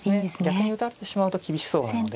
逆に打たれてしまうと厳しそうなので。